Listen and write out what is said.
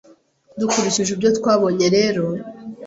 Dukurikije ibyo twabonye rero,